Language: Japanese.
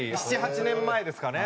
７８年前ですかね。